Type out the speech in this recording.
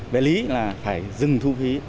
về lý là phải dừng thu phí